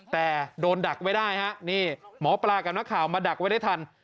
แต่โดนดักไว้ได้ฮะนี่หมอปลากับนักข่าวมาดักไว้ได้ทัน